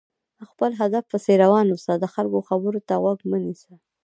خپل هدف پسې روان اوسه، د خلکو خبرو ته غوږ مه نيسه!